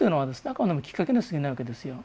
あくまでもきっかけにすぎないわけですよ。